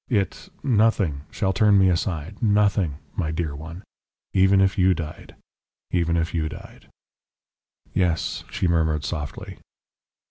It nothing shall turn me aside; nothing, my dear one. Even if you died even if you died ' "'Yes,' she murmured, softly.